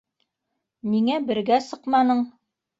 Ниңә бергә сыҡманың?